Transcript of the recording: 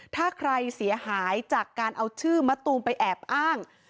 ถ้าใครเสียหายจากการเอาชื่อมะตูมไปแอบอ้าง